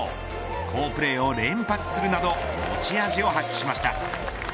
好プレーを連発するなど持ち味を発揮しました。